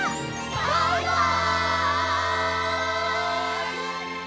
バイバイ！